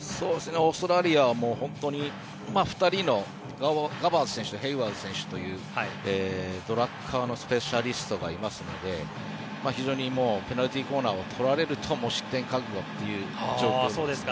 オーストラリアは本当に２人のガバーズ選手とヘイワード選手というドラッカーのスペシャリストがいますので非常にペナルティーコーナーを取られると失点覚悟という状況で。